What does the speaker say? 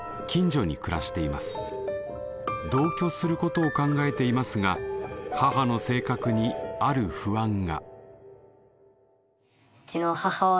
同居することを考えていますが母の性格にある不安が。